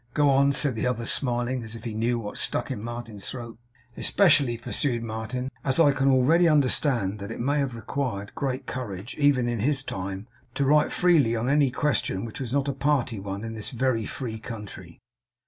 'Go on,' said the other, smiling as if he knew what stuck in Martin's throat. 'Especially,' pursued Martin, 'as I can already understand that it may have required great courage, even in his time, to write freely on any question which was not a party one in this very free country.